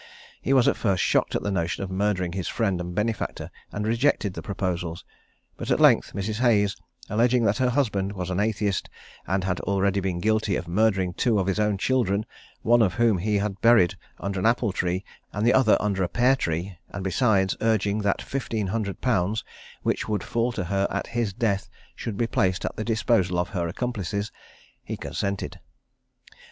He was at first shocked at the notion of murdering his friend and benefactor, and rejected the proposals; but at length Mrs. Hayes, alleging that her husband was an atheist, and had already been guilty of murdering two of his own children, one of whom he had buried under an apple tree, and the other under a pear tree, and besides urging that 1500_l._, which would fall to her at his death, should be placed at the disposal of her accomplices, he consented.